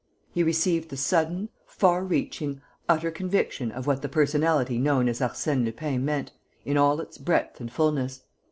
He received the sudden, far reaching, utter conviction of what the personality known as Arsène Lupin meant, in all its breadth and fulness.